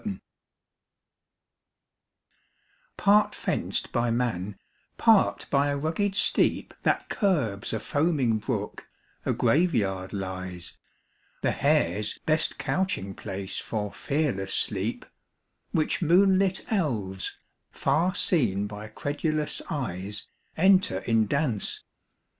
F.] Part fenced by man, part by a rugged steep That curbs a foaming brook, a Grave yard lies; The hare's best couching place for fearless sleep; Which moonlit elves, far seen by credulous eyes, Enter in dance.